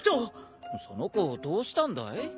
その子どうしたんだい？